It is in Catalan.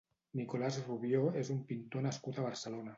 Nicolás Rubió és un pintor nascut a Barcelona.